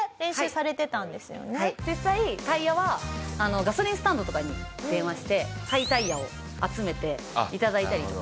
実際タイヤはガソリンスタンドとかに電話して廃タイヤを集めて頂いたりとか。